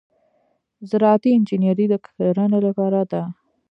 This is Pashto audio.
زراعتي انجنیری د کرنې لپاره ده.